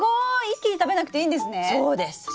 一気に食べなくていいんですね！